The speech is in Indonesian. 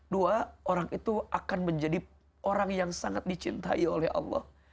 dua orang itu akan menjadi orang yang sangat dicintai oleh allah